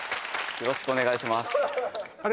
よろしくお願いしますあれ？